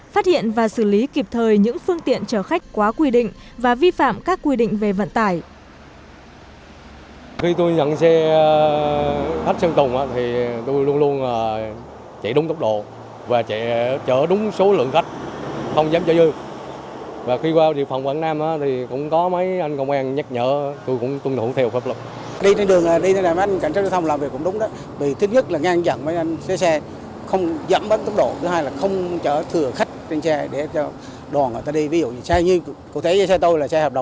phát hiện và xử lý kịp thời những phương tiện chở khách quá quy định và vi phạm các quy định về vận tải